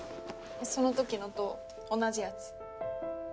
その時のと同じやつ。